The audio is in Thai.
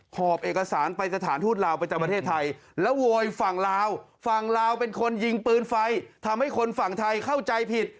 ขอบเอกสารไปสถานทูตลาวประจักรประเทศไทยแล้วโวยฝั่งลาวฝั่งลาวเป็นคนยิงปืนไฟ